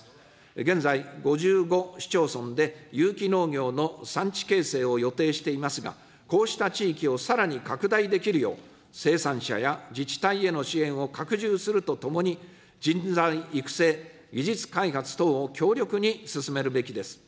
現在、５５市町村で有機農業の産地形成を予定していますが、こうした地域をさらに拡大できるよう、生産者や自治体への支援を拡充するとともに、人材育成、技術開発等を強力に進めるべきです。